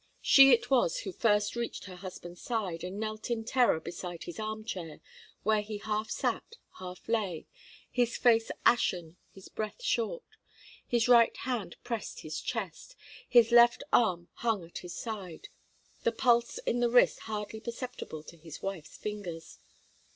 She it was who first reached her husband's side, and knelt in terror beside his arm chair, where he half sat, half lay, his face ashen, his breath short. His right hand pressed his chest, the left arm hung at his side, the pulse in the wrist hardly perceptible to his wife's fingers.